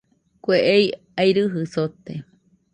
Kue ei airɨjɨ sote.